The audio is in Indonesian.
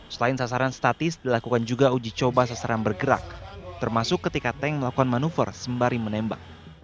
selain sasaran statis dilakukan juga uji coba sasaran bergerak termasuk ketika tank melakukan manuver sembari menembak